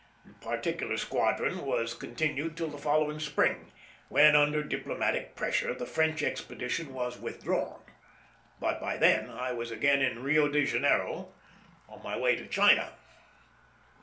The particular squadron was continued till the following spring, when, under diplomatic pressure, the French expedition was withdrawn; but by then I was again in Rio de Janeiro on my way to China.